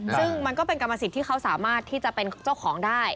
ซึ่งมันก็เป็นกรรมสิทธิ์ที่เขาสามารถที่จะเป็นเจ้าของได้